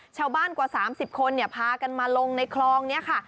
กว่า๓๐คนพากันมาลงในคลองนี้ค่ะ